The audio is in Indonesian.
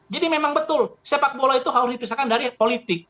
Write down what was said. jadi memang betul sepak bola itu harus dipisahkan dari politik